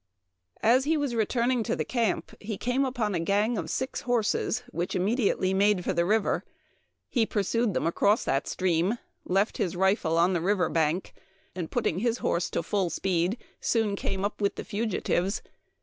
" As he was returning to the camp he came upon a gang of six horses, which immediately made for the river. He pursued them across the stream, left his rifle on the river bank, and, putting his horse to full speed, soon came up with the fugitives.